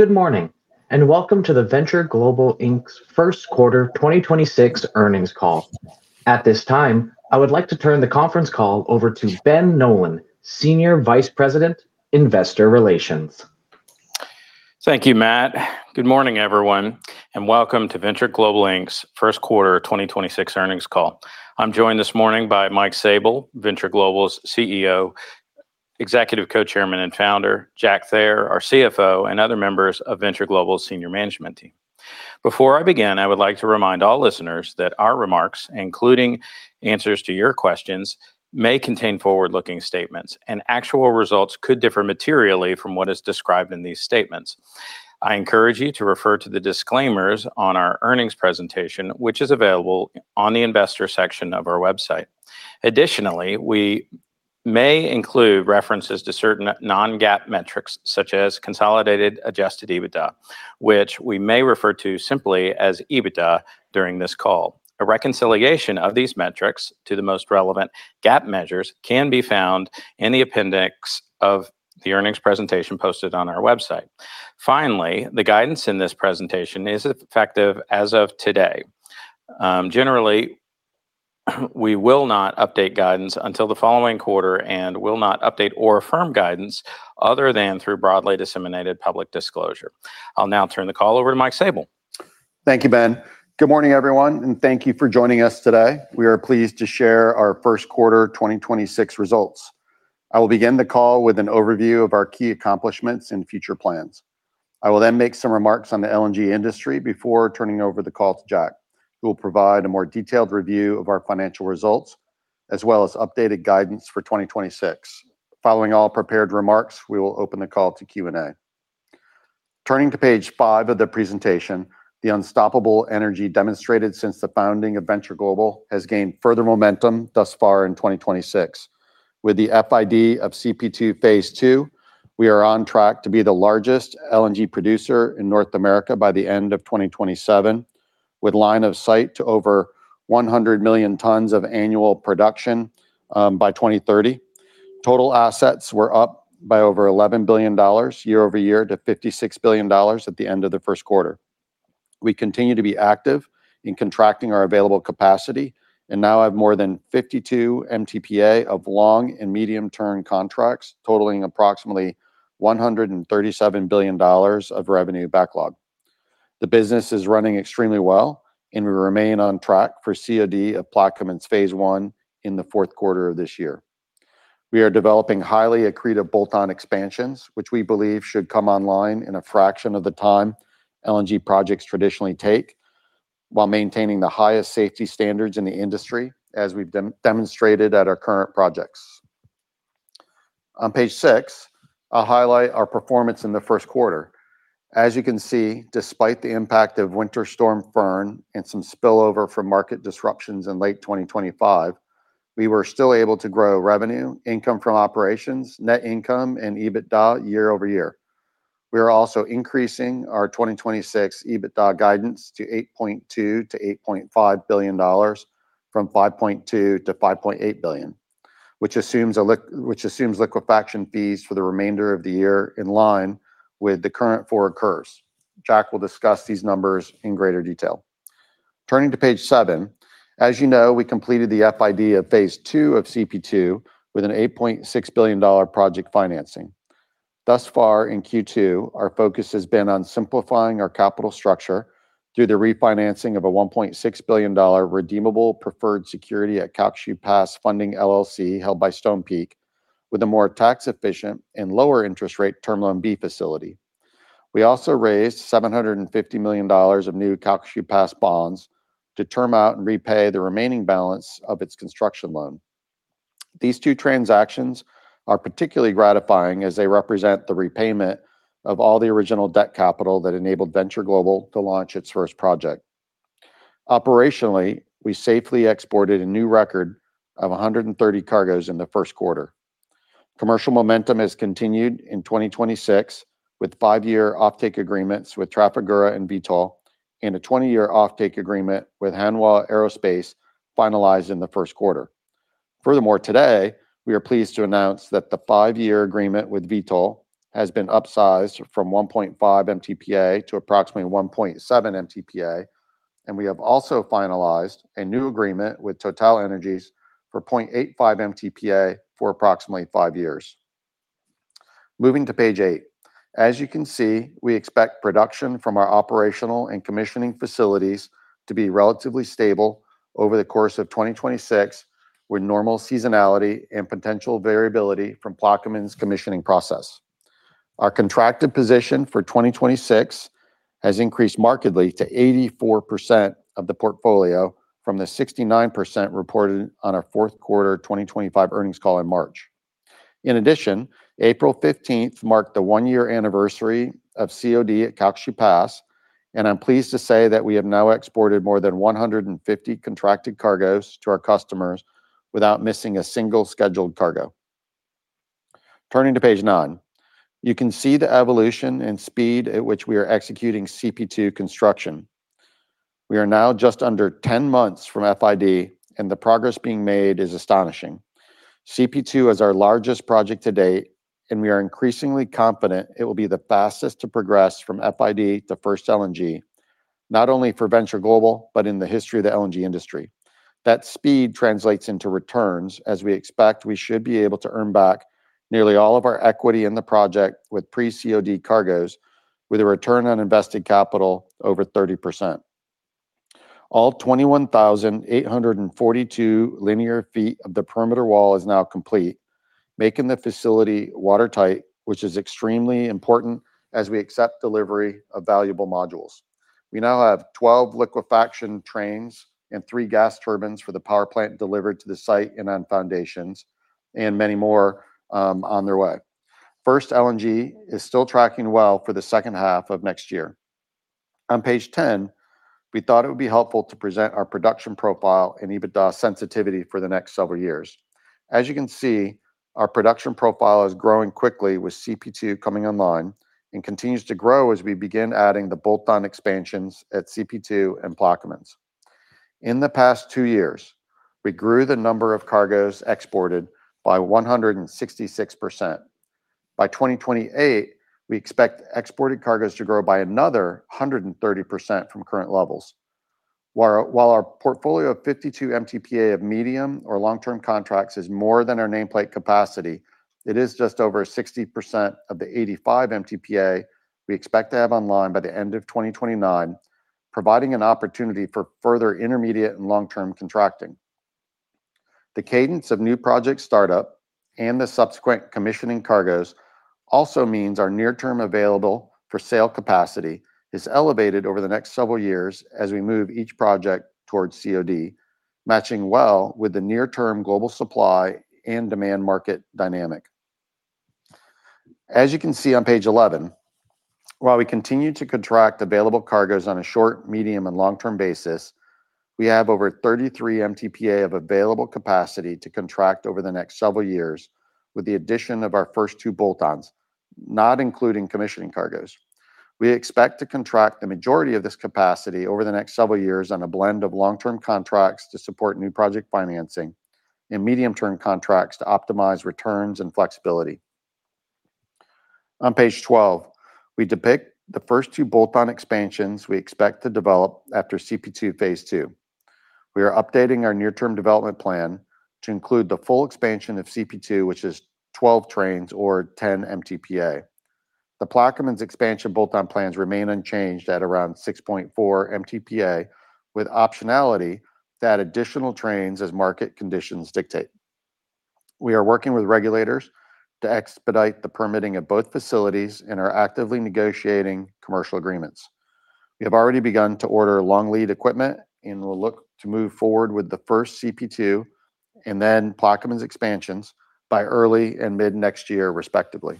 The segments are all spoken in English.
You are welcome to the Venture Global, Inc's First Quarter 2026 Earnings Call. At this time, I would like to turn the conference call over to Ben Nolan, Senior Vice President, Investor Relations. Thank you, Matt. Good morning, everyone, and welcome to Venture Global, Inc's First Quarter 2026 Earnings Call. I'm joined this morning by Mike Sabel, Venture Global's CEO, Executive Co-Chairman, and Founder, Jack Thayer, our CFO, and other members of Venture Global's senior management team. Before I begin, I would like to remind all listeners that our remarks, including answers to your questions, may contain forward-looking statements, and actual results could differ materially from what is described in these statements. I encourage you to refer to the disclaimers on our earnings presentation, which is available on the investor section of our website. Additionally, we may include references to certain non-GAAP metrics, such as consolidated adjusted EBITDA, which we may refer to simply as EBITDA during this call. A reconciliation of these metrics to the most relevant GAAP measures can be found in the appendix of the earnings presentation posted on our website. Finally, the guidance in this presentation is effective as of today. Generally, we will not update guidance until the following quarter and will not update or affirm guidance other than through broadly disseminated public disclosure. I'll now turn the call over to Mike Sabel. Thank you, Ben. Good morning, everyone, and thank you for joining us today. We are pleased to share our first quarter 2026 results. I will begin the call with an overview of our key accomplishments and future plans. I will then make some remarks on the LNG industry before turning over the call to Jack, who will provide a more detailed review of our financial results as well as updated guidance for 2026. Following all prepared remarks, we will open the call to Q&A. Turning to page five of the presentation, the unstoppable energy demonstrated since the founding of Venture Global has gained further momentum thus far in 2026. With the FID of CP2, phase II, we are on track to be the largest LNG producer in North America by the end of 2027, with line of sight to over 100 million tons of annual production by 2030. Total assets were up by over $11 billion year-over-year to $56 billion at the end of the first quarter. We continue to be active in contracting our available capacity and now have more than 52 MTPA of long and medium-term contracts totaling approximately $137 billion of revenue backlog. The business is running extremely well, and we remain on track for COD of Plaquemines phase I in the fourth quarter of this year. We are developing highly accretive bolt-on expansions, which we believe should come online in a fraction of the time LNG projects traditionally take, while maintaining the highest safety standards in the industry, as we've demonstrated at our current projects. On page six, I'll highlight our performance in the first quarter. As you can see, despite the impact of Winter Storm Finn and some spillover from market disruptions in late 2025, we were still able to grow revenue, income from operations, net income, and EBITDA year-over-year. We are also increasing our 2026 EBITDA guidance to $8.2 billion-$8.5 billion from $5.2 billion-$5.8 billion, which assumes liquefaction fees for the remainder of the year in line with the current forward curves. Jack will discuss these numbers in greater detail. Turning to page seven, as you know, we completed the FID of phase II of CP2 with an $8.6 billion project financing. Thus far in Q2, our focus has been on simplifying our capital structure through the refinancing of a $1.6 billion redeemable preferred security at Calcasieu Pass Funding, LLC, held by Stonepeak, with a more tax-efficient and lower interest rate term loan B facility. We also raised $750 million of new Calcasieu Pass bonds to term out and repay the remaining balance of its construction loan. These two transactions are particularly gratifying as they represent the repayment of all the original debt capital that enabled Venture Global to launch its first project. Operationally, we safely exported a new record of 130 cargos in the first quarter. Commercial momentum has continued in 2026 with five-year offtake agreements with Trafigura and Vitol and a 20-year offtake agreement with Hanwha Aerospace finalized in the first quarter. Today, we are pleased to announce that the five-year agreement with Vitol has been upsized from 1.5 MTPA to approximately 1.7 MTPA, and we have also finalized a new agreement with TotalEnergies for 0.85 MTPA for approximately five years. Moving to page eight, as you can see, we expect production from our operational and commissioning facilities to be relatively stable over the course of 2026 with normal seasonality and potential variability from Plaquemines' commissioning process. Our contracted position for 2026 has increased markedly to 84% of the portfolio from the 69% reported on our Fourth Quarter 2025 Earnings Call in March. In addition, April 15th marked the one-year anniversary of COD at Calcasieu Pass, and I'm pleased to say that we have now exported more than 150 contracted cargos to our customers without missing a single scheduled cargo. Turning to page nine, you can see the evolution and speed at which we are executing CP2 construction. We are now just under 10 months from FID. The progress being made is astonishing. CP2 is our largest project to date. We are increasingly confident it will be the fastest to progress from FID to first LNG, not only for Venture Global, but in the history of the LNG industry. That speed translates into returns, as we expect we should be able to earn back nearly all of our equity in the project with pre-COD cargos with a return on invested capital over 30%. All 21,842 linear feet of the perimeter wall is now complete, making the facility watertight, which is extremely important as we accept delivery of valuable modules. We now have 12 liquefaction trains and three gas turbines for the power plant delivered to the site and on foundations, and many more on their way. First LNG is still tracking well for the second half of next year. On page 10, we thought it would be helpful to present our production profile and EBITDA sensitivity for the next several years. As you can see, our production profile is growing quickly with CP2 coming online and continues to grow as we begin adding the bolt-on expansions at CP2 and Plaquemines. In the past two years, we grew the number of cargos exported by 166%. By 2028, we expect exported cargos to grow by another 130% from current levels. While our portfolio of 52 MTPA of medium or long-term contracts is more than our nameplate capacity, it is just over 60% of the 85 MTPA we expect to have online by the end of 2029, providing an opportunity for further intermediate and long-term contracting. The cadence of new project startup and the subsequent commissioning cargos also means our near-term available for sale capacity is elevated over the next several years as we move each project towards COD, matching well with the near-term global supply and demand market dynamic. As you can see on page 11, while we continue to contract available cargos on a short, medium, and long-term basis, we have over 33 MTPA of available capacity to contract over the next several years with the addition of our first two bolt-ons, not including commissioning cargos. We expect to contract the majority of this capacity over the next several years on a blend of long-term contracts to support new project financing and medium-term contracts to optimize returns and flexibility. On page 12, we depict the first two bolt-on expansions we expect to develop after CP2 phase II. We are updating our near-term development plan to include the full expansion of CP2, which is 12 trains or 10 MTPA. The Plaquemines expansion bolt-on plans remain unchanged at around 6.4 MTPA, with optionality to add additional trains as market conditions dictate. We are working with regulators to expedite the permitting of both facilities and are actively negotiating commercial agreements. We have already begun to order long lead equipment and will look to move forward with the first CP2 and then Plaquemines expansions by early and mid-next year, respectively.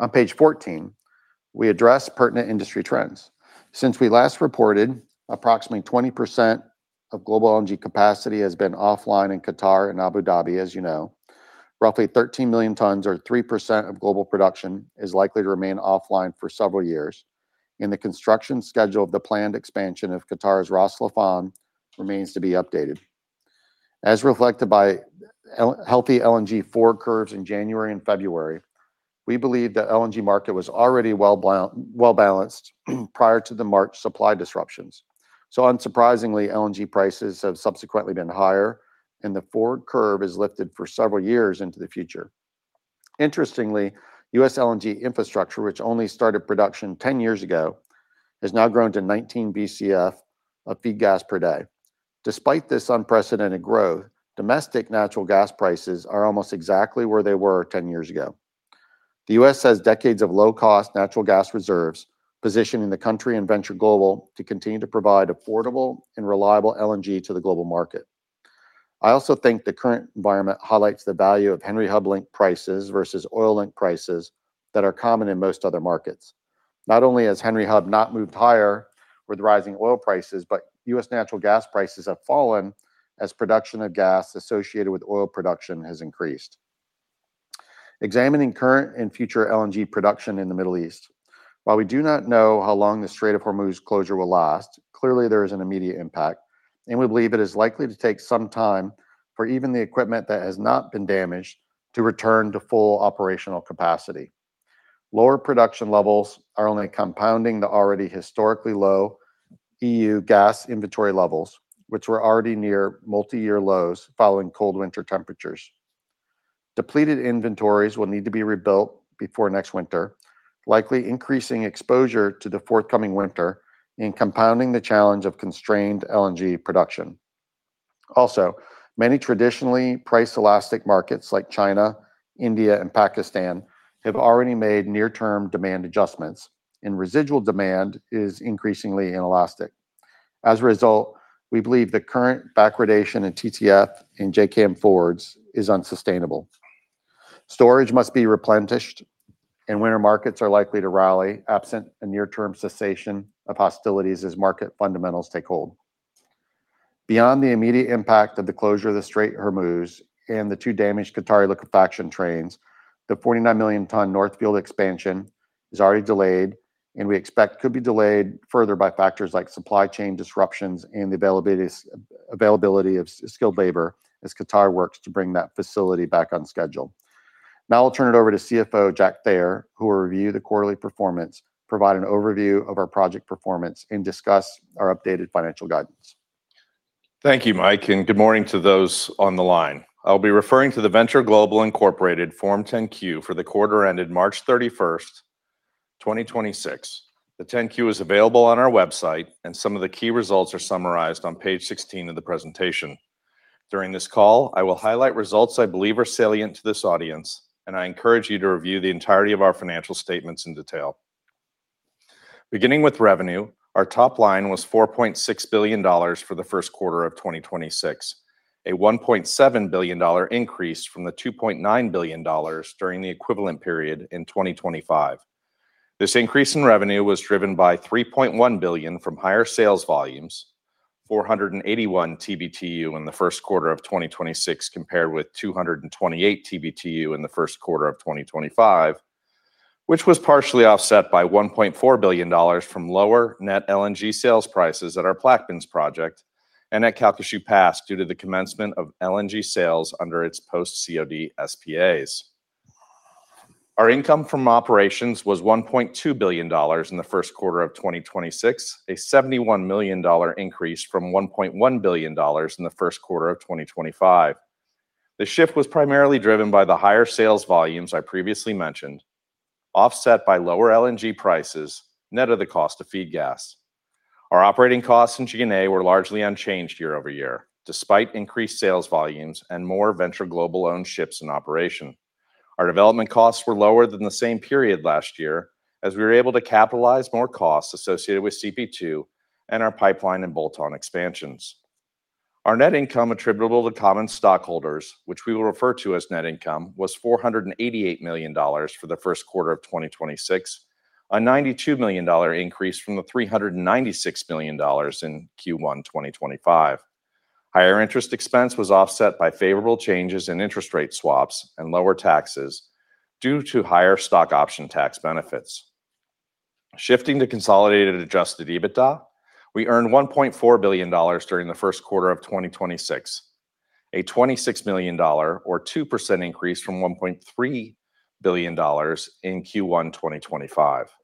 On page 14, we address pertinent industry trends. Since we last reported, approximately 20% of global LNG capacity has been offline in Qatar and Abu Dhabi, as you know. Roughly 13 million tons or 3% of global production is likely to remain offline for several years, and the construction schedule of the planned expansion of Qatar's Ras Laffan remains to be updated. As reflected by healthy LNG forward curves in January and February, we believe the LNG market was already well-balanced prior to the March supply disruptions. Unsurprisingly, LNG prices have subsequently been higher, and the forward curve is lifted for several years into the future. Interestingly, U.S. LNG infrastructure, which only started production 10 years ago, has now grown to 19 BCF of feed gas per day. Despite this unprecedented growth, domestic natural gas prices are almost exactly where they were 10 years ago. The U.S. has decades of low-cost natural gas reserves, positioning the country and Venture Global to continue to provide affordable and reliable LNG to the global market. I also think the current environment highlights the value of Henry Hub-linked prices versus oil-linked prices that are common in most other markets. Not only has Henry Hub not moved higher with rising oil prices, but U.S. natural gas prices have fallen as production of gas associated with oil production has increased. Examining current and future LNG production in the Middle East. While we do not know how long the Strait of Hormuz closure will last, clearly there is an immediate impact, and we believe it is likely to take some time for even the equipment that has not been damaged to return to full operational capacity. Lower production levels are only compounding the already historically low EU gas inventory levels, which were already near multi-year lows following cold winter temperatures. Depleted inventories will need to be rebuilt before next winter, likely increasing exposure to the forthcoming winter and compounding the challenge of constrained LNG production. Many traditionally price-elastic markets like China, India, and Pakistan have already made near-term demand adjustments, and residual demand is increasingly inelastic. As a result, we believe the current backwardation in TTF and JKM forwards is unsustainable. Storage must be replenished, winter markets are likely to rally absent a near-term cessation of hostilities as market fundamentals take hold. Beyond the immediate impact of the closure of the Strait of Hormuz and the two damaged Qatari liquefaction trains, the 49 million ton North Field expansion is already delayed and we expect could be delayed further by factors like supply chain disruptions and the availability of skilled labor as Qatar works to bring that facility back on schedule. Now I'll turn it over to CFO Jack Thayer, who will review the quarterly performance, provide an overview of our project performance, and discuss our updated financial guidance. Thank you, Mike, and good morning to those on the line. I'll be referring to the Venture Global, Inc Form 10-Q for the quarter ended March 31st, 2026. The 10-Q is available on our website, and some of the key results are summarized on page 16 of the presentation. During this call, I will highlight results I believe are salient to this audience, and I encourage you to review the entirety of our financial statements in detail. Beginning with revenue, our top line was $4.6 billion for the first quarter of 2026, a $1.7 billion increase from the $2.9 billion during the equivalent period in 2025. This increase in revenue was driven by $3.1 billion from higher sales volumes, 481 TBtu in the first quarter of 2026 compared with 228 TBtu in the first quarter of 2025, which was partially offset by $1.4 billion from lower net LNG sales prices at our Plaquemines project and at Calcasieu Pass due to the commencement of LNG sales under its post-COD SPAs. Our income from operations was $1.2 billion in the first quarter of 2026, a $71 million increase from $1.1 billion in the first quarter of 2025. The shift was primarily driven by the higher sales volumes I previously mentioned, offset by lower LNG prices net of the cost of feed gas. Our operating costs and G&A were largely unchanged year-over-year, despite increased sales volumes and more Venture Global-owned ships in operation. Our development costs were lower than the same period last year as we were able to capitalize more costs associated with CP2 and our pipeline and bolt-on expansions. Our net income attributable to common stockholders, which we will refer to as net income, was $488 million for the first quarter of 2026, a $92 million increase from the $396 million in Q1 2025. Higher interest expense was offset by favorable changes in interest rate swaps and lower taxes due to higher stock option tax benefits. Shifting to consolidated adjusted EBITDA, we earned $1.4 billion during the first quarter of 2026, a $26 million or 2% increase from $1.3 billion in Q1 2025.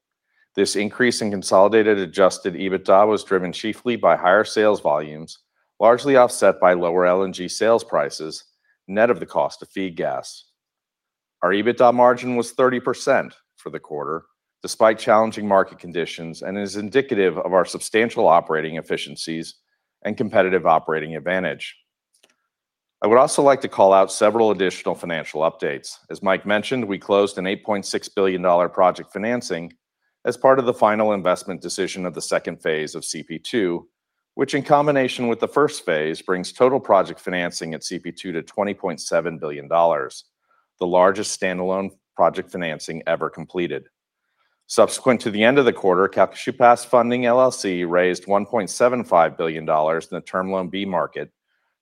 This increase in consolidated adjusted EBITDA was driven chiefly by higher sales volumes, largely offset by lower LNG sales prices, net of the cost of feed gas. Our EBITDA margin was 30% for the quarter, despite challenging market conditions, and is indicative of our substantial operating efficiencies and competitive operating advantage. I would also like to call out several additional financial updates. As Mike mentioned, we closed an $8.6 billion project financing as part of the final investment decision of the second phase of CP2, which in combination with the first phase brings total project financing at CP2 to $20.7 billion, the largest standalone project financing ever completed. Subsequent to the end of the quarter, Calcasieu Pass Funding LLC raised $1.75 billion in the term loan B market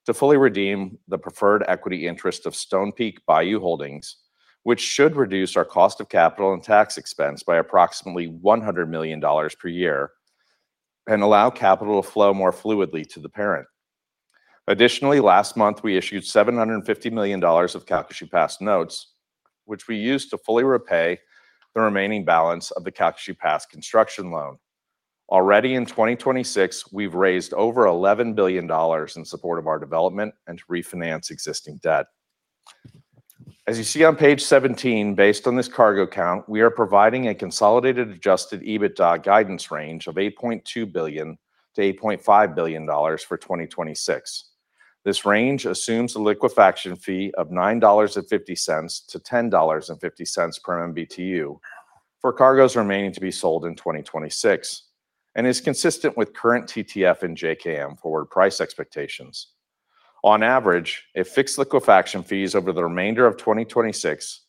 to fully redeem the preferred equity interest of Stonepeak Bayou Holdings, which should reduce our cost of capital and tax expense by approximately $100 million per year and allow capital to flow more fluidly to the parent. Additionally, last month, we issued $750 million of Calcasieu Pass notes, which we used to fully repay the remaining balance of the Calcasieu Pass construction loan. Already in 2026, we've raised over $11 billion in support of our development and to refinance existing debt. As you see on page 17, based on this cargo count, we are providing a consolidated adjusted EBITDA guidance range of $8.2 billion-$8.5 billion for 2026. This range assumes a liquefaction fee of $9.50 to $10.50 per MMBtu for cargoes remaining to be sold in 2026 and is consistent with current TTF and JKM forward price expectations. On average, if fixed liquefaction fees over the remainder of 2026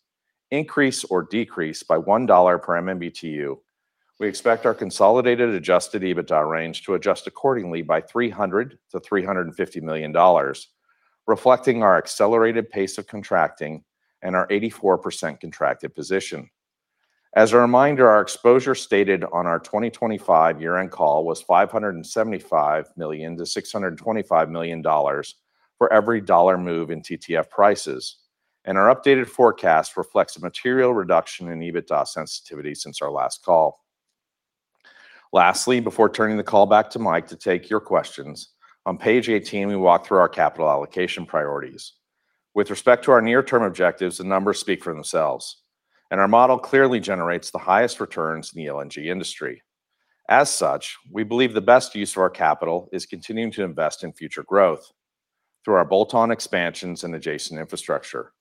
increase or decrease by $1 per MMBtu, we expect our consolidated adjusted EBITDA range to adjust accordingly by $300 million-$350 million, reflecting our accelerated pace of contracting and our 84% contracted position. As a reminder, our exposure stated on our 2025 year-end call was $575 million-$625 million for every dollar move in TTF prices, and our updated forecast reflects a material reduction in EBITDA sensitivity since our last call. Lastly, before turning the call back to Mike to take your questions, on page 18, we walk through our capital allocation priorities. With respect to our near-term objectives, the numbers speak for themselves, and our model clearly generates the highest returns in the LNG industry. As such, we believe the best use of our capital is continuing to invest in future growth through our bolt-on expansions and adjacent infrastructure.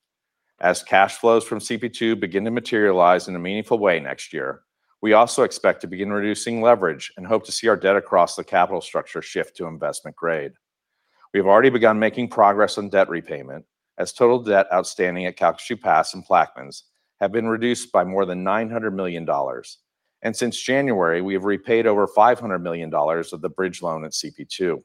As cash flows from CP2 begin to materialize in a meaningful way next year, we also expect to begin reducing leverage and hope to see our debt across the capital structure shift to investment grade. We have already begun making progress on debt repayment, as total debt outstanding at Calcasieu Pass and Plaquemines have been reduced by more than $900 million. Since January, we have repaid over $500 million of the bridge loan at CP2.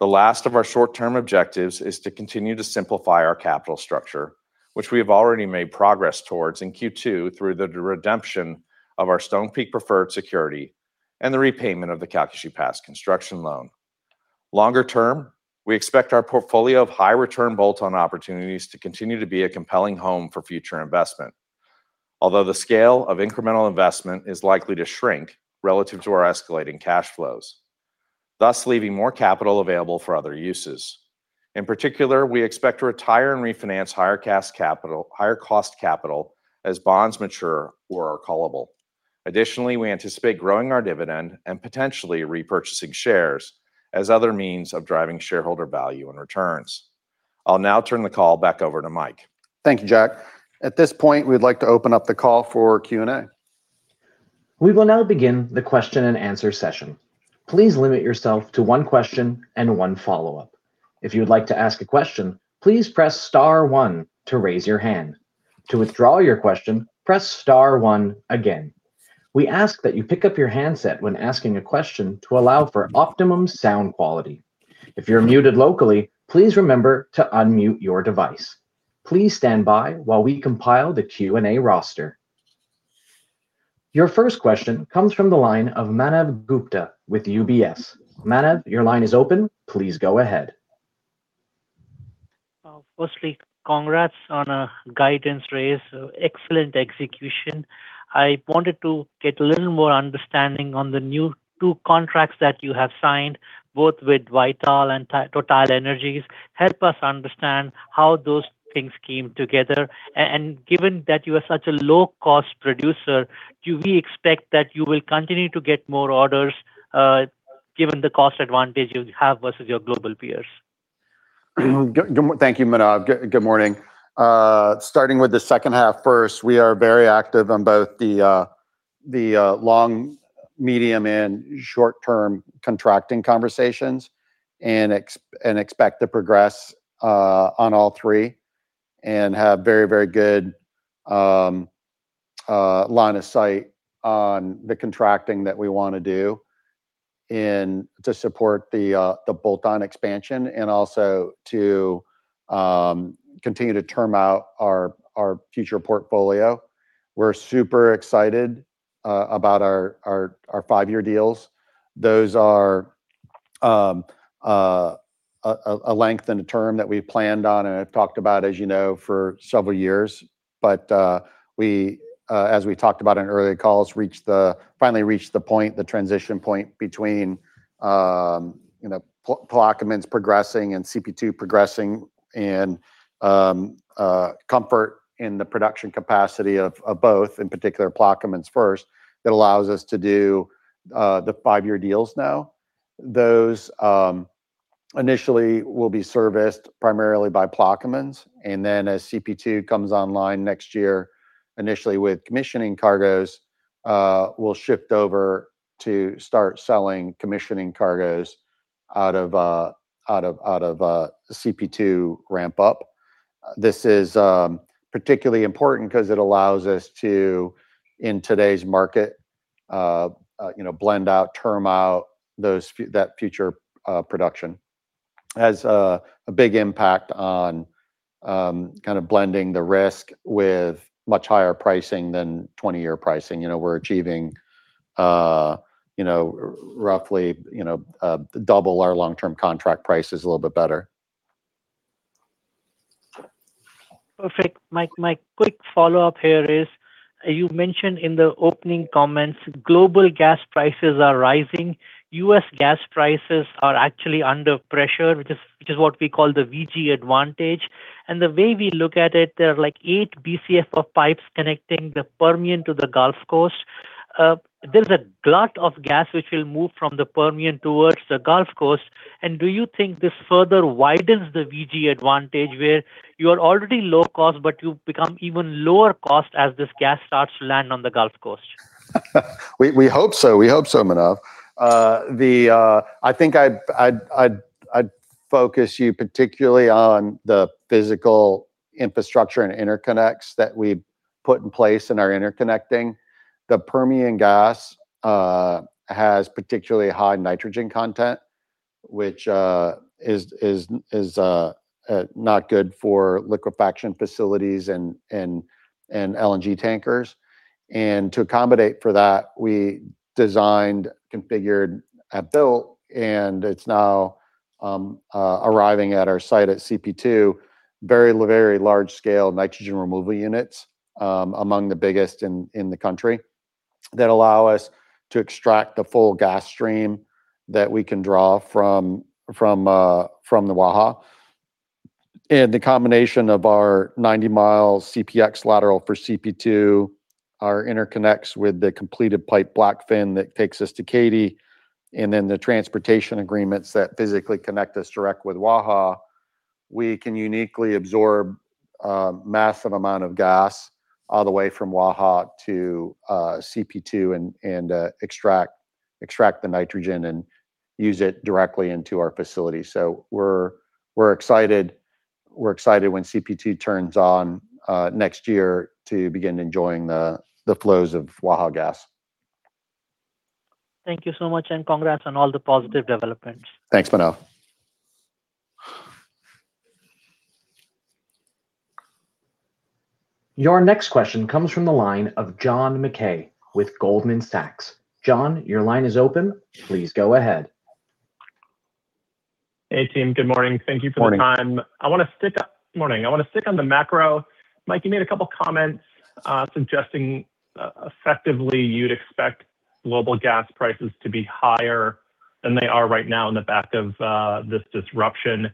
The last of our short-term objectives is to continue to simplify our capital structure, which we have already made progress towards in Q2 through the redemption of our Stonepeak preferred security and the repayment of the Calcasieu Pass construction loan. Longer term, we expect our portfolio of high return bolt-on opportunities to continue to be a compelling home for future investment. Although the scale of incremental investment is likely to shrink relative to our escalating cash flows, thus leaving more capital available for other uses. In particular, we expect to retire and refinance higher cost capital as bonds mature or are callable. Additionally, we anticipate growing our dividend and potentially repurchasing shares as other means of driving shareholder value and returns. I'll now turn the call back over to Mike. Thank you, Jack. At this point, we'd like to open up the call for Q&A. We will now begin the question and answer session. Please limit yourself to one question and one follow-up. If you would like to ask a question, please press star one to raise your hand. To withdraw your question, press star one again. We ask that you pick up your handset when asking a question to allow for optimum sound quality. If you're muted locally, please remember to unmute your device. Please stand by while we compile the Q&A roster. Your first question comes from the line of Manav Gupta with UBS. Manav, your line is open. Please go ahead. Firstly, congrats on a guidance raise. Excellent execution. I wanted to get a little more understanding on the new two contracts that you have signed, both with Vitol and TotalEnergies. Help us understand how those things came together. Given that you are such a low-cost producer, do we expect that you will continue to get more orders given the cost advantage you have versus your global peers? Good, thank you, Manav. Good morning. Starting with the second half first, we are very active on both the long, medium, and short-term contracting conversations and expect to progress on all three and have very good line of sight on the contracting that we wanna do and to support the bolt-on expansion and also to continue to term out our future portfolio. We're super excited about our five-year deals. Those are a length and a term that we planned on and have talked about, as you know, for several years. We, as we talked about in earlier calls, finally reached the point, the transition point between, you know, Plaquemines progressing and CP2 progressing and comfort in the production capacity of both, in particular Plaquemines first, that allows us to do the five-year deals now. Those initially will be serviced primarily by Plaquemines, and then as CP2 comes online next year, initially with commissioning cargoes, we'll shift over to start selling commissioning cargoes out of CP2 ramp up. This is particularly important 'cause it allows us to, in today's market, you know, blend out, term out that future production. Has a big impact on kind of blending the risk with much higher pricing than 20-year pricing. You know, we're achieving, you know, roughly, you know, double our long-term contract price is a little bit better. Perfect. My quick follow-up here is you mentioned in the opening comments global gas prices are rising. U.S. gas prices are actually under pressure, which is what we call the VG advantage. The way we look at it, there are like eight BCF of pipes connecting the Permian to the Gulf Coast. There's a glut of gas which will move from the Permian towards the Gulf Coast. Do you think this further widens the VG advantage where you're already low cost, but you become even lower cost as this gas starts to land on the Gulf Coast? We hope so. We hope so, Manav. I think I'd focus you particularly on the physical infrastructure and interconnects that we put in place and are interconnecting. The Permian gas has particularly high nitrogen content, which is not good for liquefaction facilities and LNG tankers. To accommodate for that, we designed, configured, and built, and it's now arriving at our site at CP2, very large scale nitrogen removal units, among the biggest in the country, that allow us to extract the full gas stream that we can draw from the Waha. The combination of our 90-mile CPX lateral for CP2, our interconnects with the completed pipe Blackfin that takes us to Katy, and then the transportation agreements that physically connect us direct with Waha, we can uniquely absorb a massive amount of gas all the way from Waha to CP2 and extract the nitrogen and use it directly into our facility. We're excited when CP2 turns on next year to begin enjoying the flows of Waha gas. Thank you so much and congrats on all the positive developments. Thanks, Manav. Your next question comes from the line of John Mackay with Goldman Sachs. John, your line is open. Please go ahead. Hey, team. Good morning. Thank you for the time. Morning I want to stick up. Morning. I want to stick on the macro. Mike, you made a couple comments, suggesting, effectively you'd expect global gas prices to be higher than they are right now on the back of, this disruption.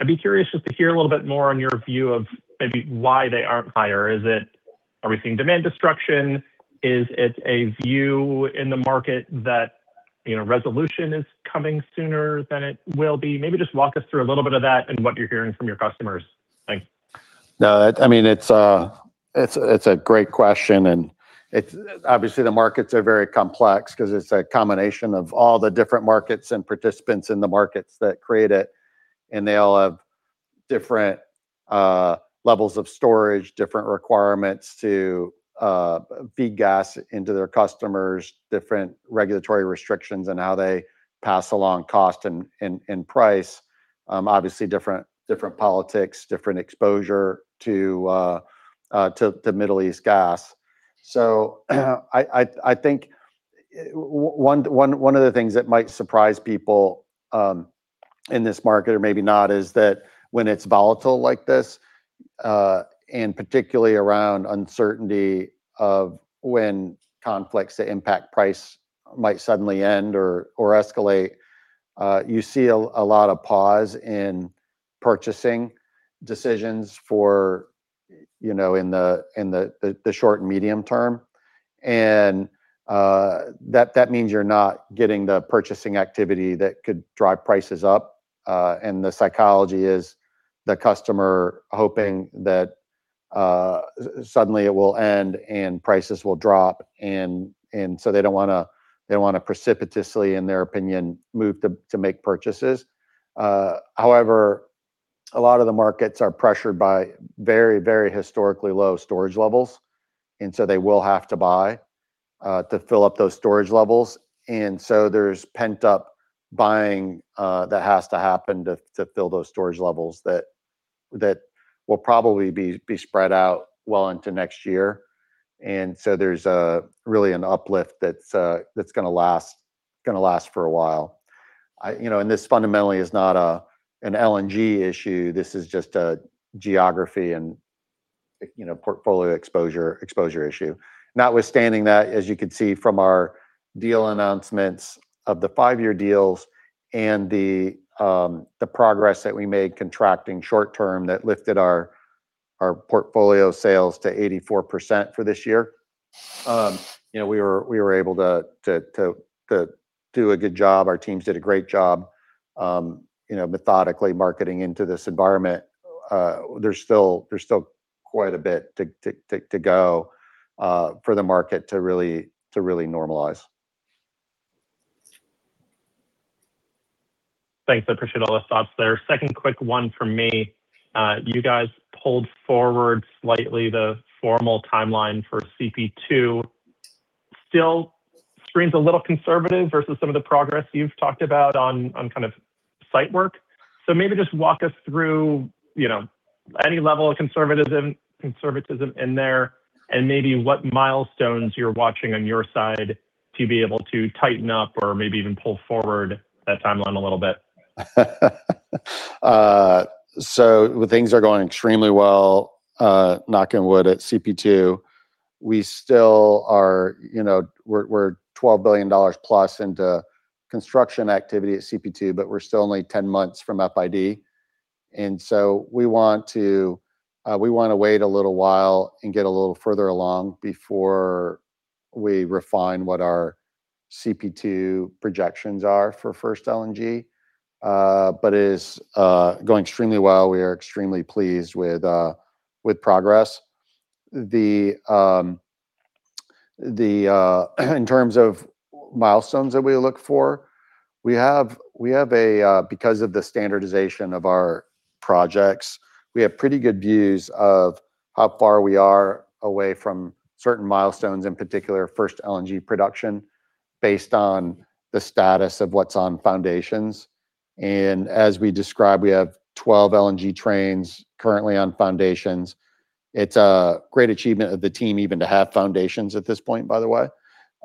I'd be curious just to hear a little bit more on your view of maybe why they aren't higher. Is it everything demand destruction? Is it a view in the market that, you know, resolution is coming sooner than it will be? Maybe just walk us through a little bit of that and what you're hearing from your customers. Thanks. No, I mean, it's a great question. It's, obviously the markets are very complex 'cause it's a combination of all the different markets and participants in the markets that create it, and they all have different levels of storage, different requirements to feed gas into their customers, different regulatory restrictions and how they pass along cost and price. Obviously different politics, different exposure to Middle East gas. I think one of the things that might surprise people in this market, or maybe not, is that when it's volatile like this, and particularly around uncertainty of when conflicts that impact price might suddenly end or escalate, you see a lot of pause in purchasing decisions for, you know, in the short and medium term. That means you're not getting the purchasing activity that could drive prices up. The psychology is the customer hoping that suddenly it will end and prices will drop and so they don't wanna precipitously, in their opinion, move to make purchases. However, a lot of the markets are pressured by very, very historically low storage levels, and so they will have to buy to fill up those storage levels. There's pent-up buying that has to happen to fill those storage levels that will probably be spread out well into next year. There's really an uplift that's gonna last for a while. You know, and this fundamentally is not an LNG issue. This is just a geography and, you know, portfolio exposure issue. Notwithstanding that, as you can see from our deal announcements of the five-year deals and the progress that we made contracting short-term that lifted our portfolio sales to 84% for this year. You know, we were able to do a good job. Our teams did a great job, you know, methodically marketing into this environment. There's still quite a bit to go for the market to really normalize. Thanks. I appreciate all the thoughts there. Second quick one from me. You guys pulled forward slightly the formal timeline for CP2. Still seems a little conservative versus some of the progress you've talked about on kind of site work. Maybe just walk us through, you know, any level of conservatism in there and maybe what milestones you're watching on your side to be able to tighten up or maybe even pull forward that timeline a little bit? Things are going extremely well, knock on wood, at CP2. We still are, you know, we're $12 billion plus into construction activity at CP2, but we're still only 10 months from FID. We want to, we wanna wait a little while and get a little further along before we refine what our CP2 projections are for first LNG. It is going extremely well. We are extremely pleased with progress. In terms of milestones that we look for, we have a, because of the standardization of our projects, we have pretty good views of how far we are away from certain milestones, in particular, first LNG production based on the status of what's on foundations. As we described, we have 12 LNG trains currently on foundations. It's a great achievement of the team even to have foundations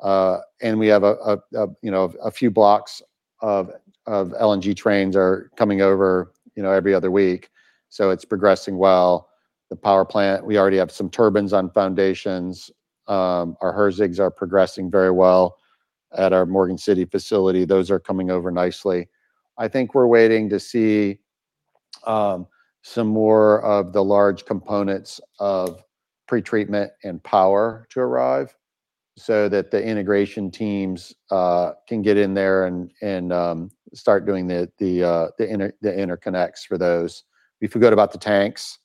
at this point, by the way. We have, you know, a few blocks of LNG trains are coming over, you know, every other week. It's progressing well. The power plant, we already have some turbines on foundations. Our HRSGs are progressing very well at our Morgan City facility. Those are coming over nicely. I think we're waiting to see some more of the large components of pretreatment and power to arrive so that the integration teams can get in there and start doing the interconnects for those. We forgot about the tanks.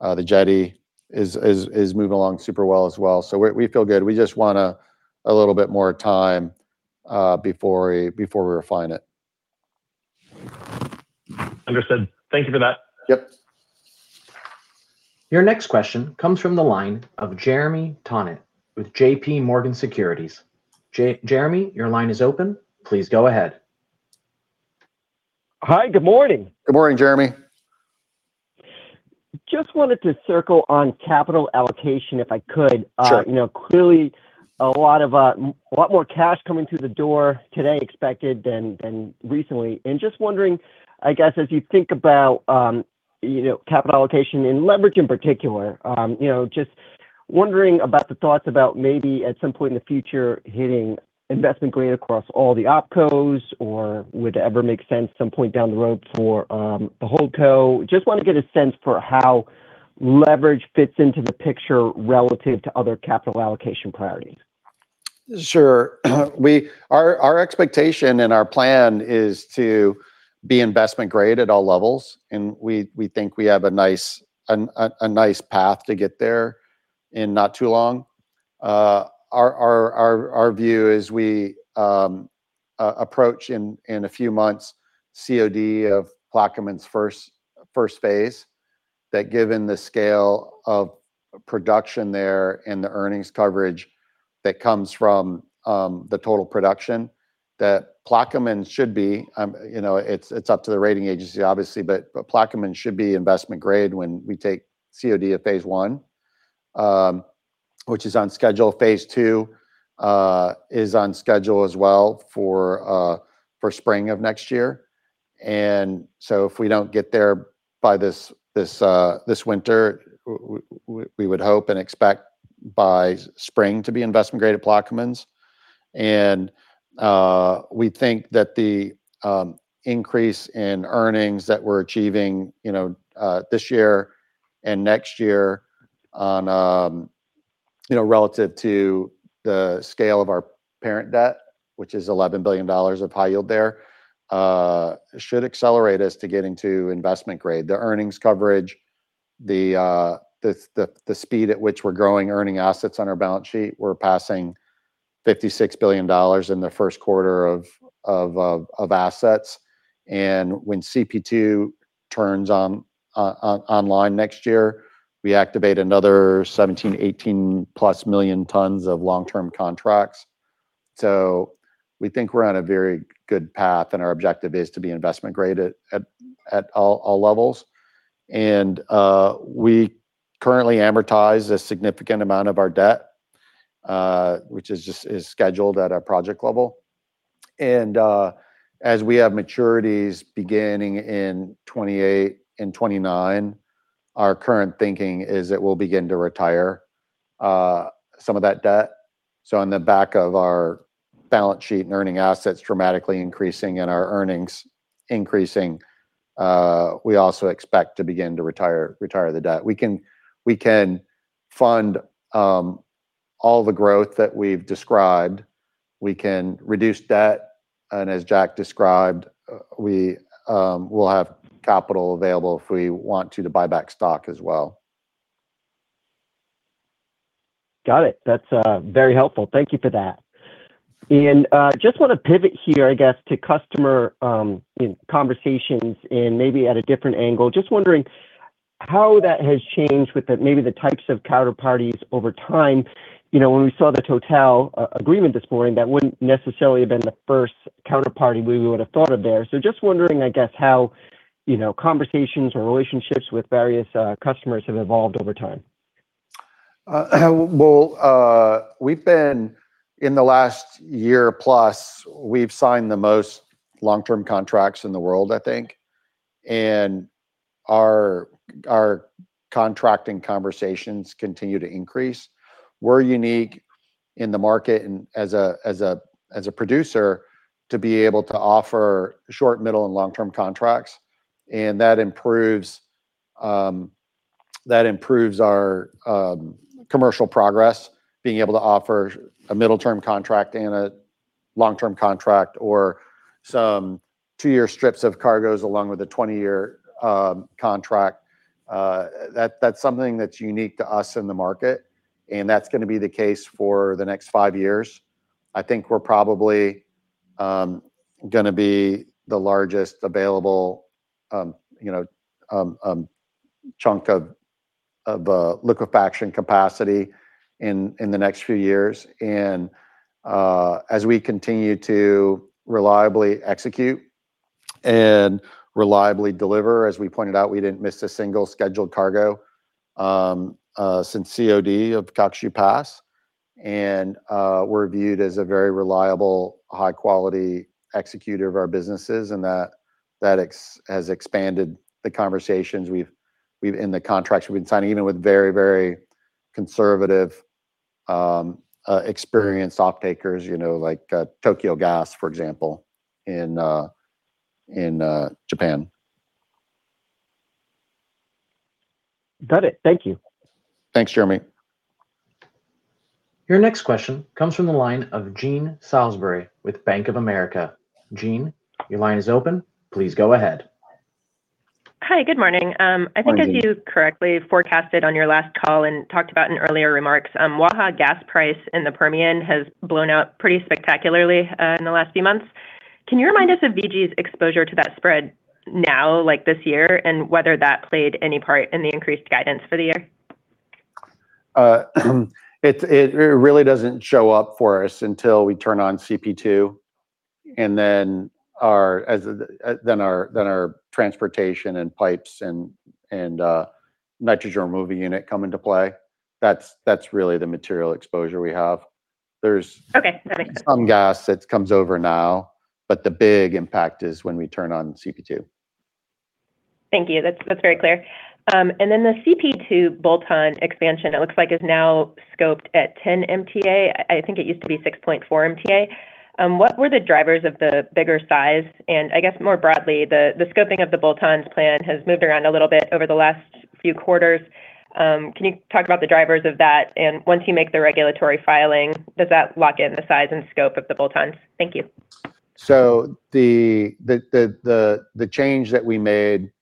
The jetty is moving along super well as well. We feel good. We just want a little bit more time before we refine it. Understood. Thank you for that. Yep. Your next question comes from the line of Jeremy Tonet with JPMorgan Securities. Jeremy, your line is open. Please go ahead. Hi, good morning. Good morning, Jeremy. Just wanted to circle on capital allocation if I could. Sure. You know, clearly a lot of a lot more cash coming through the door today expected than recently. Just wondering, I guess, as you think about, you know, capital allocation and leverage in particular, you know, just wondering about the thoughts about maybe at some point in the future hitting investment grade across all the OPCOs or would it ever make sense at some point down the road for the HoldCo? Just want to get a sense for how leverage fits into the picture relative to other capital allocation priorities. Sure. Our expectation and our plan is to be investment grade at all levels, and we think we have a nice path to get there in not too long. Our view is we approach in a few months COD of Plaquemines' first phase, that given the scale of production there and the earnings coverage that comes from the total production, that Plaquemines should be, you know, it's up to the rating agency obviously, but Plaquemines should be investment grade when we take COD of phase I, which is on schedule. Phase II is on schedule as well for spring of next year. If we don't get there by this winter, we would hope and expect by spring to be investment grade at Plaquemines. We think that the increase in earnings that we're achieving, you know, this year and next year on, you know, relative to the scale of our parent debt, which is $11 billion of high yield there, should accelerate us to getting to investment grade. The earnings coverage, the speed at which we're growing earning assets on our balance sheet. We're passing $56 billion in the first quarter of assets. When CP2 turns online next year, we activate another 17 million, 18+ million tons of long-term contracts. We think we're on a very good path, our objective is to be investment grade at all levels. We currently amortize a significant amount of our debt, which is scheduled at our project level. As we have maturities beginning in 2028 and 2029, our current thinking is that we'll begin to retire some of that debt. On the back of our balance sheet and earning assets dramatically increasing and our earnings increasing, we also expect to begin to retire the debt. We can fund all the growth that we've described. We can reduce debt. As Jack described, we will have capital available if we want to buy back stock as well. Got it. That's very helpful. Thank you for that. Just wanna pivot here, I guess, to customer conversations in maybe at a different angle. Just wondering how that has changed with the, maybe the types of counterparties over time. You know, when we saw the TotalEnergies agreement this morning, that wouldn't necessarily have been the first counterparty we would have thought of there. Just wondering, I guess, how, you know, conversations or relationships with various customers have evolved over time. Well, in the last year plus, we've signed the most long-term contracts in the world, I think. Our contracting conversations continue to increase. We're unique in the market and as a producer to be able to offer short, middle, and long-term contracts, and that improves our commercial progress, being able to offer a middle-term contract and a long-term contract or some two-year strips of cargoes along with a 20-year contract. That's something that's unique to us in the market, and that's gonna be the case for the next five years. I think we're probably gonna be the largest available, you know, chunk of liquefaction capacity in the next few years. As we continue to reliably execute and reliably deliver, as we pointed out, we didn't miss a single scheduled cargo, since COD of Calcasieu Pass, and we're viewed as a very reliable, high quality executor of our businesses, and that has expanded the conversations we've and the contracts we've been signing, even with very, very conservative, experienced offtakers, you know, like Tokyo Gas, for example, in Japan. Got it. Thank you. Thanks, Jeremy. Your next question comes from the line of Jean Salisbury with Bank of America. Jean, your line is open. Please go ahead. Hi, good morning. Good morning. I think as you correctly forecasted on your last call and talked about in earlier remarks, Waha gas price in the Permian has blown up pretty spectacularly in the last few months. Can you remind us of VG's exposure to that spread now, like this year, and whether that played any part in the increased guidance for the year? It really doesn't show up for us until we turn on CP2. Then our transportation and pipes and nitrogen removal unit come into play. That's really the material exposure we have. Okay. That makes sense There's some gas that's comes over now, but the big impact is when we turn on CP2. Thank you. That's very clear. The CP2 bolt-on expansion it looks like is now scoped at 10 MTPA. I think it used to be 6.4 MTPA. What were the drivers of the bigger size? I guess more broadly, the scoping of the bolt-ons plan has moved around a little bit over the last few quarters. Can you talk about the drivers of that? Once you make the regulatory filing, does that lock in the size and scope of the bolt-ons? Thank you. The change that we made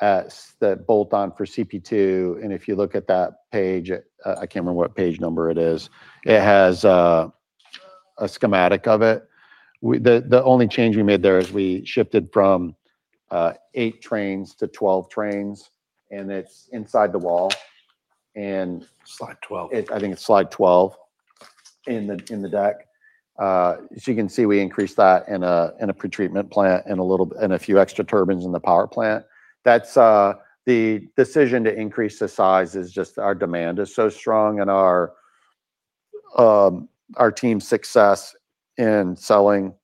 as the bolt-on for CP2, and if you look at that page, I can't remember what page number it is, it has a schematic of it. The only change we made there is we shifted from eight trains to 12 trains, and it's inside the wall. Slide 12. I think it's slide 12 in the deck. As you can see, we increased that in a pretreatment plant and a few extra turbines in the power plant. That's the decision to increase the size is just our demand is so strong and our team's success in selling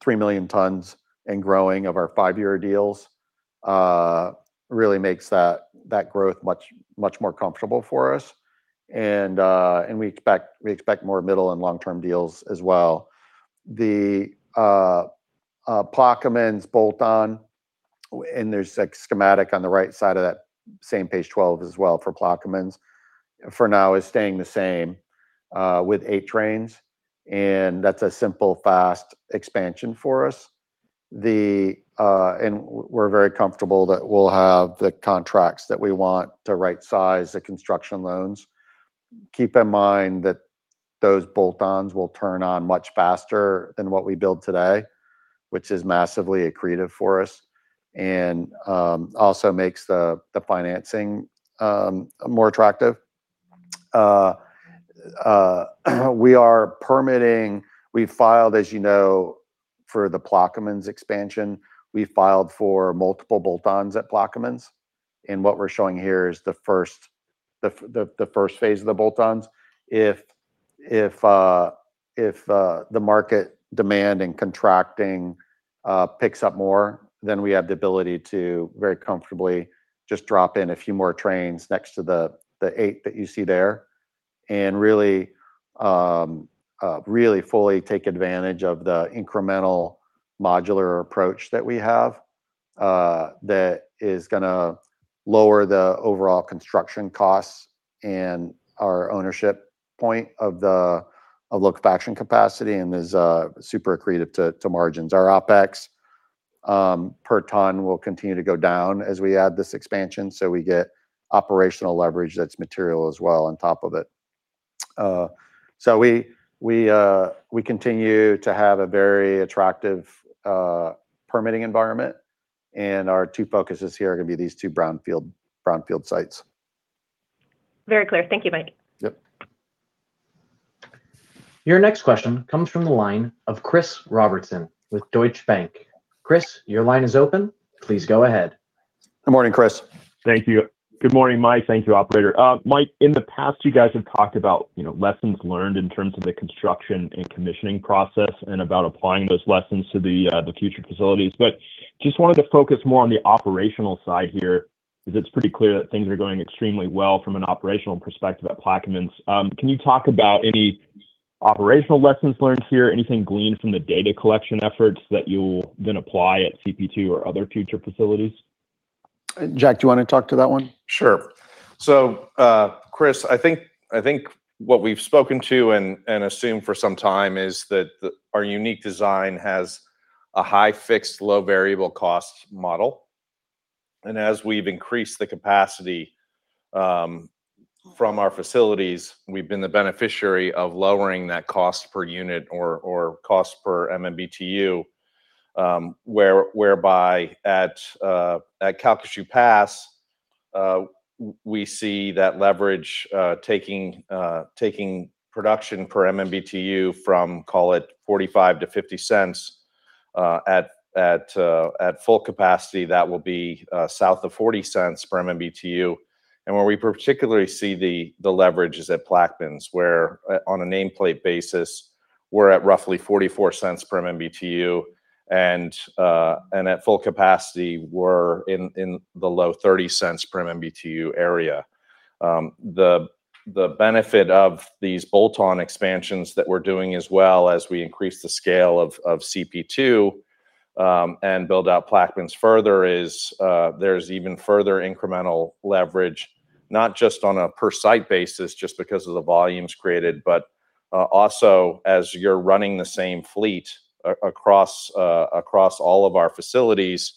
3 million tons and growing of our five-year deals really makes that growth much more comfortable for us. We expect more middle and long-term deals as well. The Plaquemines bolt-on, and there's a schematic on the right side of that same page 12 as well for Plaquemines, for now is staying the same with eight trains, and that's a simple, fast expansion for us. We're very comfortable that we'll have the contracts that we want to right size the construction loans. Keep in mind that those bolt-ons will turn on much faster than what we build today, which is massively accretive for us and also makes the financing more attractive. We are permitting, we filed, as you know, for the Plaquemines expansion. We filed for multiple bolt-ons at Plaquemines, what we're showing here is the first phase of the bolt-ons. If the market demand and contracting picks up more, then we have the ability to very comfortably just drop in a few more trains next to the eight that you see there and really fully take advantage of the incremental modular approach that we have that is gonna lower the overall construction costs and our ownership point of the liquefaction capacity and is super accretive to margins. Our OPEX per ton will continue to go down as we add this expansion, so we get operational leverage that's material as well on top of it. So we continue to have a very attractive permitting environment, and our two focuses here are gonna be these two brownfield sites. Very clear. Thank you, Mike. Yep. Your next question comes from the line of Chris Robertson with Deutsche Bank. Chris, your line is open. Please go ahead. Good morning, Chris. Thank you. Good morning, Mike. Thank you, operator. Mike, in the past, you guys have talked about, you know, lessons learned in terms of the construction and commissioning process and about applying those lessons to the future facilities. Just wanted to focus more on the operational side here, 'cause it's pretty clear that things are going extremely well from an operational perspective at Plaquemines. Can you talk about any operational lessons learned here, anything gleaned from the data collection efforts that you'll then apply at CP2 or other future facilities? Jack, do you wanna talk to that one? Sure. Chris, I think, I think what we've spoken to and assumed for some time is that our unique design has a high fixed, low variable cost model. As we've increased the capacity from our facilities, we've been the beneficiary of lowering that cost per unit or cost per MMBtu, whereby at Calcasieu Pass, we see that leverage taking production per MMBtu from, call it $0.45-$0.50. At full capacity that will be south of $0.40 per MMBtu. Where we particularly see the leverage is at Plaquemines, where on a nameplate basis we're at roughly $0.44 per MMBtu, and at full capacity we're in the low $0.30s per MMBtu area. The benefit of these bolt-on expansions that we're doing as well as we increase the scale of CP2 and build out Plaquemines further is, there's even further incremental leverage, not just on a per site basis just because of the volumes created, but also as you're running the same fleet across all of our facilities,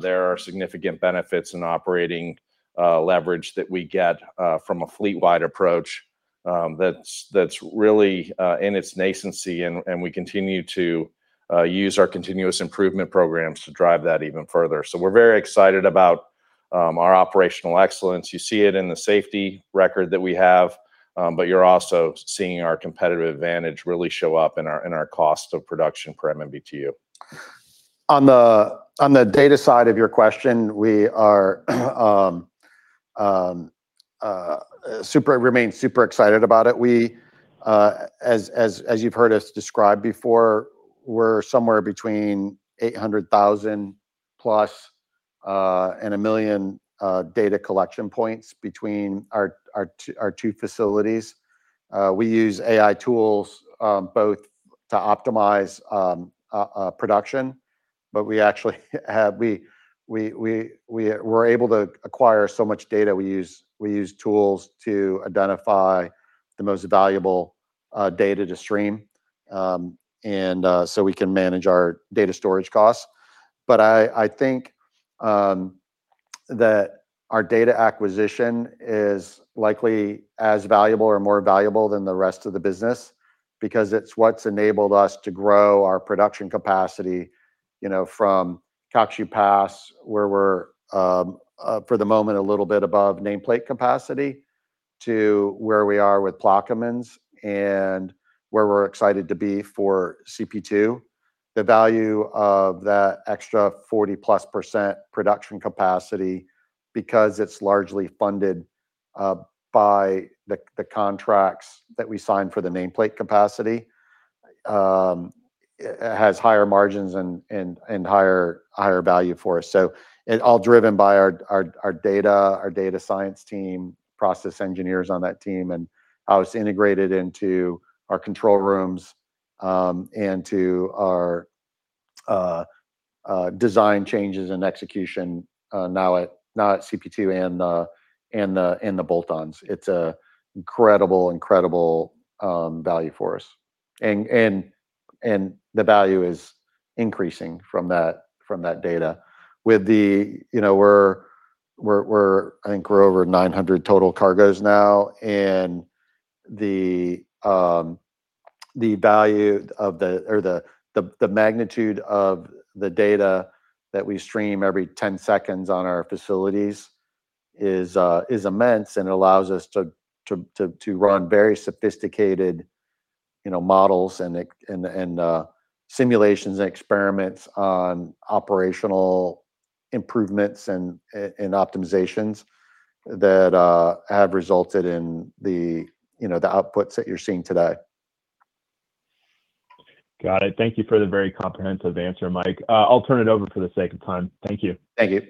there are significant benefits in operating leverage that we get from a fleet-wide approach, that's really in its nascency and we continue to use our continuous improvement programs to drive that even further. We're very excited about our operational excellence. You see it in the safety record that we have, you're also seeing our competitive advantage really show up in our cost of production per MMBtu. On the data side of your question, we remain super excited about it. We, as you've heard us describe before, we're somewhere between 800,000+ and 1 million data collection points between our two facilities. We use AI tools, both to optimize production, but we actually are able to acquire so much data, we use tools to identify the most valuable data to stream, so we can manage our data storage costs. I think that our data acquisition is likely as valuable or more valuable than the rest of the business because it's what's enabled us to grow our production capacity, you know, from Calcasieu Pass, where we're for the moment a little bit above nameplate capacity, to where we are with Plaquemines and where we're excited to be for CP2. The value of that extra 40+% production capacity, because it's largely funded by the contracts that we sign for the nameplate capacity, has higher margins and higher value for us. It all driven by our data, our data science team, process engineers on that team, and how it's integrated into our control rooms, and to our design changes and execution now at CP2 and the bolt-ons. It's an incredible value for us. The value is increasing from that data. With the, you know, we're, I think we're over 900 total cargoes now, and the magnitude of the data that we stream every 10 seconds on our facilities is immense and allows us to run very sophisticated, you know, models and simulations and experiments on operational improvements and optimizations that have resulted in the, you know, the outputs that you're seeing today. Got it. Thank you for the very comprehensive answer, Mike. I'll turn it over for the sake of time. Thank you. Thank you.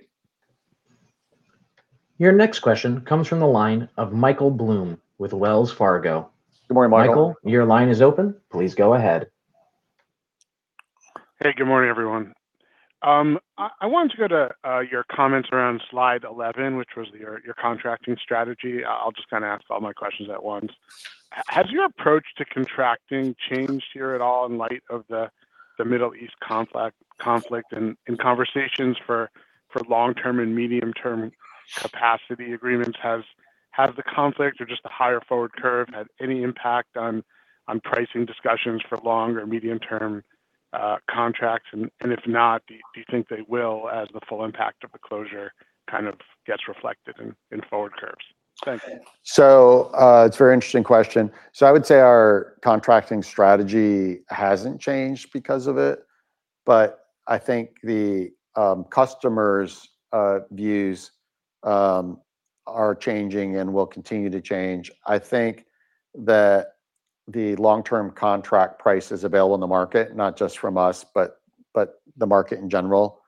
Your next question comes from the line of Michael Blum with Wells Fargo. Good morning, Michael. Michael, your line is open. Please go ahead. Hey, good morning, everyone. I wanted to go to your comments around slide 11, which was your contracting strategy. I'll just kind of ask all my questions at once. Has your approach to contracting changed here at all in light of the Middle East conflict in conversations for long-term and medium-term capacity agreements? Has the conflict or just the higher forward curve had any impact on pricing discussions for long or medium-term contracts? If not, do you think they will as the full impact of the closure kind of gets reflected in forward curves? Thank you. It's a very interesting question. I would say our contracting strategy hasn't changed because of it, but I think the customers' views are changing and will continue to change. I think that the long-term contract prices available in the market, not just from us, but the market in general,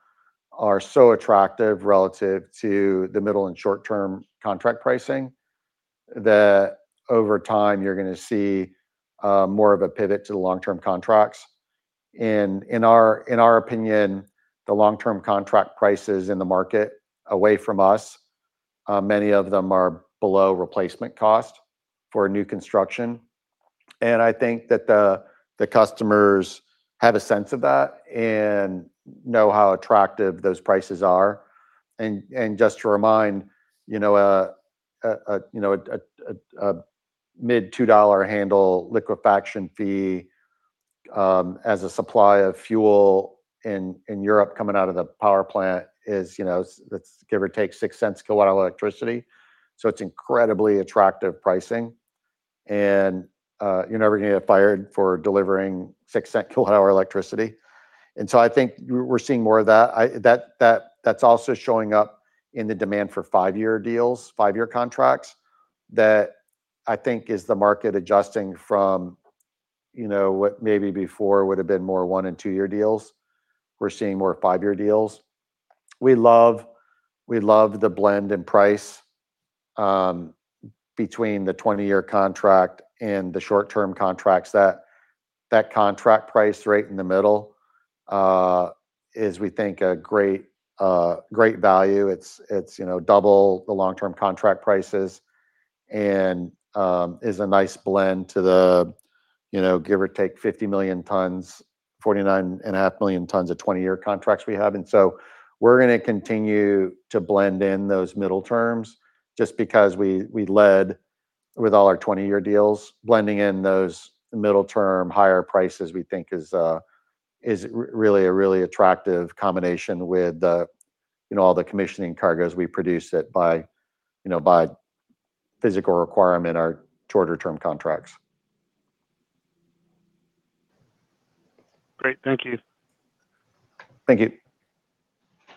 are so attractive relative to the middle and short-term contract pricing that over time you're gonna see more of a pivot to the long-term contracts. In our opinion, the long-term contract prices in the market away from us, many of them are below replacement cost for a new construction. I think that the customers have a sense of that and know how attractive those prices are. Just to remind, you know, a mid $2 handle liquefaction fee, as a supply of fuel in Europe coming out of the power plant is, you know, it's give or take $0.06 a kW of electricity. It's incredibly attractive pricing. You're never gonna get fired for delivering $0.06 kW hour electricity. I think we're seeing more of that. That's also showing up in the demand for five-year deals, five-year contracts that I think is the market adjusting from, you know, what maybe before would have been more one and two-year deals. We're seeing more five-year deals. We love the blend and price between the 20-year contract and the short-term contracts, that contract price right in the middle is we think a great value. It's, you know, double the long-term contract prices and is a nice blend to the, you know, give or take 50 million tons, 49.5 million tons of 20-year contracts we have. We're gonna continue to blend in those middle terms just because we led with all our 20-year deals. Blending in those middle term higher prices we think is really attractive combination with the, you know, all the commissioning cargos we produce at by, you know, by physical requirement are shorter term contracts. Great. Thank you. Thank you.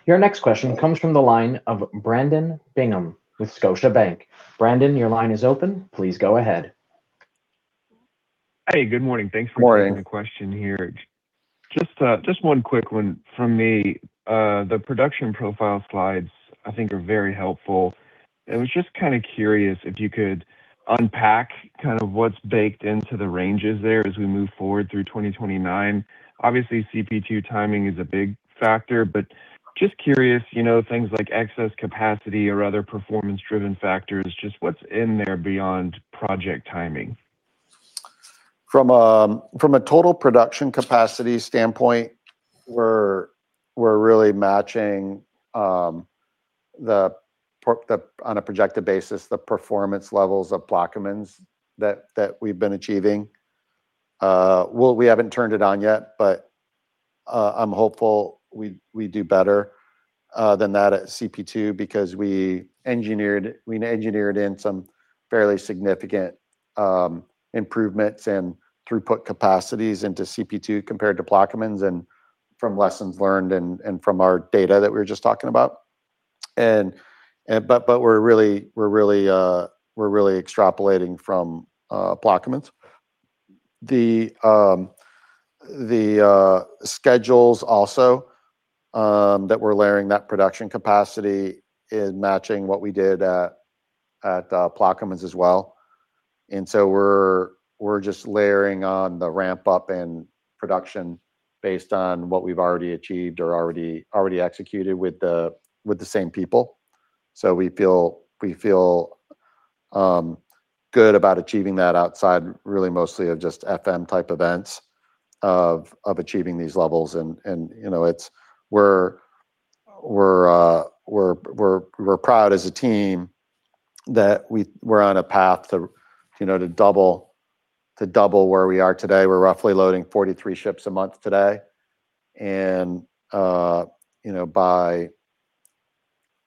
Your next question comes from the line of Brandon Bingham with Scotiabank. Brandon, your line is open. Please go ahead. Hey, good morning. Morning. Thanks for taking the question here. Just one quick one from me. The production profile slides I think are very helpful. I was just kinda curious if you could unpack kind of what's baked into the ranges there as we move forward through 2029. Obviously, CP2 timing is a big factor, but just curious, you know, things like excess capacity or other performance driven factors, just what's in there beyond project timing? From a total production capacity standpoint, we're really matching the, on a projected basis, the performance levels of Plaquemines that we've been achieving. Well, we haven't turned it on yet, but I'm hopeful we do better than that at CP2 because we engineered in some fairly significant improvements and throughput capacities into CP2 compared to Plaquemines and from lessons learned and from our data that we were just talking about. We're really extrapolating from Plaquemines. The schedules also, that we're layering that production capacity is matching what we did at Plaquemines as well. We're just layering on the ramp up in production based on what we've already achieved or already executed with the same people. We feel good about achieving that outside really mostly of just FM type events of achieving these levels. You know, it's we're proud as a team that we're on a path to double where we are today. We're roughly loading 43 ships a month today and, you know, by,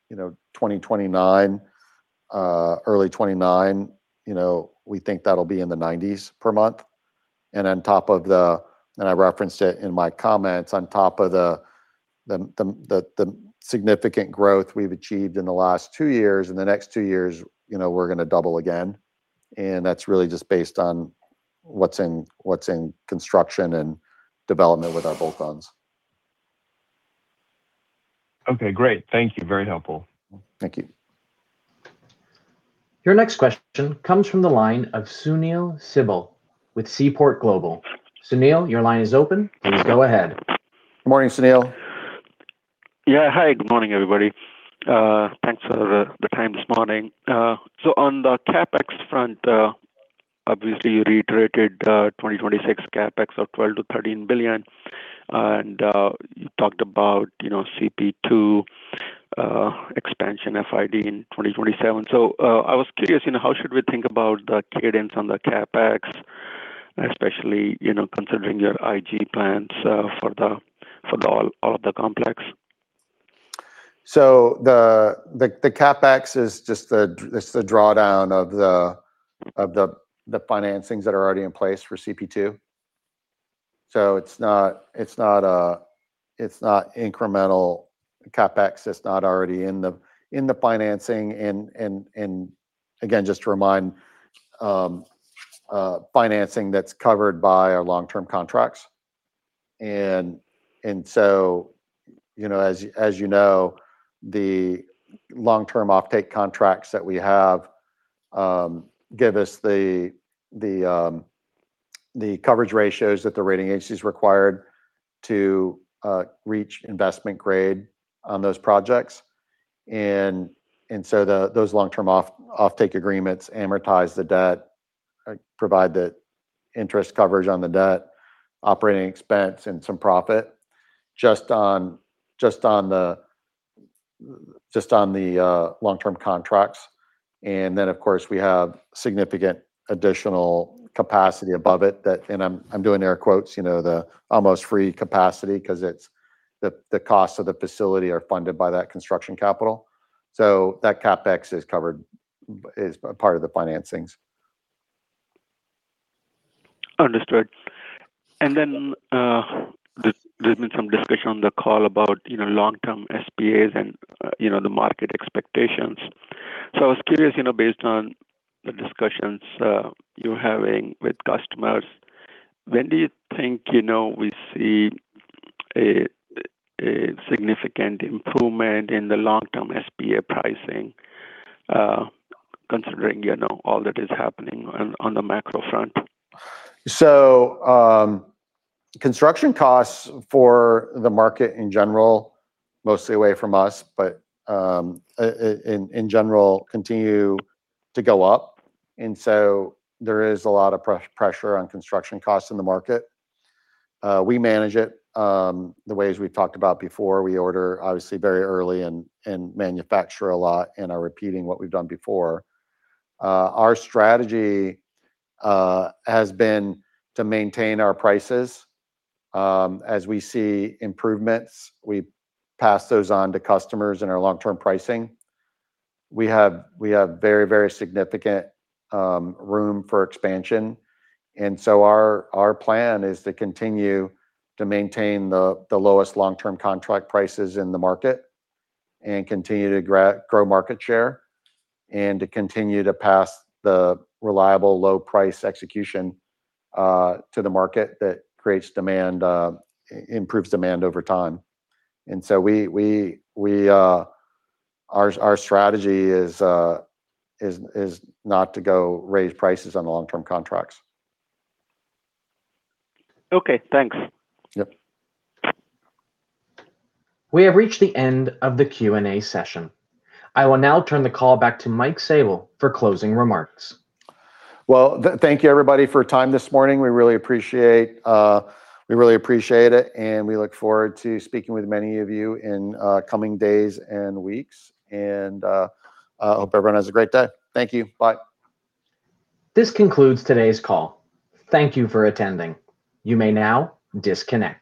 you know, 2029, early 2029, you know, we think that'll be in the 90s per month. On top of the And I referenced it in my comments, on top of the significant growth we've achieved in the last two years, in the next two years, you know, we're gonna double again, and that's really just based on what's in construction and development with our bolt-ons. Okay. Great. Thank you. Very helpful. Thank you. Your next question comes from the line of Sunil Sibal with Seaport Global. Sunil, your line is open. Please go ahead. Morning, Sunil. Hi. Good morning, everybody. Thanks for the time this morning. On the CapEx front, obviously you reiterated 2026 CapEx of $12 billion-$13 billion, you talked about, you know, CP2 expansion FID in 2027. I was curious, you know, how should we think about the cadence on the CapEx, especially, you know, considering your IG plans for the all of the complex? The CapEx is just it's the drawdown of the financings that are already in place for CP2. It's not, it's not incremental CapEx that's not already in the financing. Again, just to remind, financing that's covered by our long-term contracts. So, you know, as you know, the long-term offtake contracts that we have, give us the coverage ratios that the rating agency's required to reach investment grade on those projects. Those long-term offtake agreements amortize the debt, provide the interest coverage on the debt, operating expense and some profit just on the long-term contracts. Of course, we have significant additional capacity above it that I'm doing air quotes, you know, the almost free capacity 'cause the costs of the facility are funded by that construction capital. That CapEx is covered, is a part of the financings. Understood. Then, there's been some discussion on the call about, you know, long-term SPAs and, you know, the market expectations. I was curious, you know, based on the discussions, you're having with customers, when do you think, you know, we see a significant improvement in the long-term SPA pricing, considering, you know, all that is happening on the macro front? Construction costs for the market in general, mostly away from us, but in general continue to go up. There is a lot of pressure on construction costs in the market. We manage it the ways we've talked about before. We order, obviously, very early and manufacture a lot and are repeating what we've done before. Our strategy has been to maintain our prices. As we see improvements, we pass those on to customers in our long-term pricing. We have very significant room for expansion. Our plan is to continue to maintain the lowest long-term contract prices in the market and continue to grow market share, and to continue to pass the reliable low price execution to the market that creates demand improves demand over time. We, our strategy is not to go raise prices on the long-term contracts. Okay, thanks. Yep. We have reached the end of the Q&A session. I will now turn the call back to Mike Sabel for closing remarks. Well, thank you, everybody, for your time this morning. We really appreciate it, and we look forward to speaking with many of you in coming days and weeks. Hope everyone has a great day. Thank you. Bye. This concludes today's call. Thank you for attending. You may now disconnect.